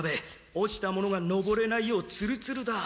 落ちた者が登れないようツルツルだ。